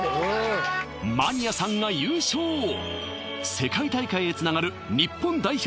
マニアさんが優勝世界大会へつながる日本代表